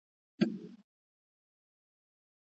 عسکرو هغه ظالم سړی په ډېر لږ وخت کې دربار ته راوست.